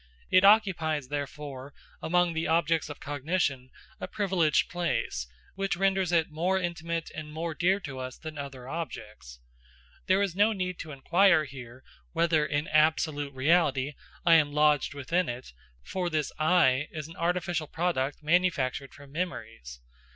It occupies, therefore, among the objects of cognition a privileged place, which renders it more intimate and more dear to us than other objects. There is no need to inquire here whether, in absolute reality, I am lodged within it, for this "I" is an artificial product manufactured from memories.